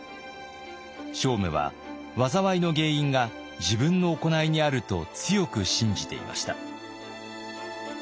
聖武は災いの原因が自分の行いにあると強く信じていました。